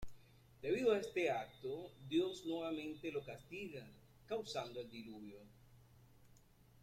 Debido a este acto, Dios nuevamente lo castiga causando el Diluvio.